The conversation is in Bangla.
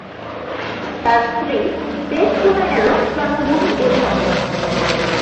তার স্ত্রী বেস ট্রুম্যানের-ও জন্মভূমি এ শহর।